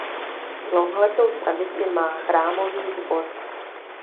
Dlouholetou tradici má chrámový sbor.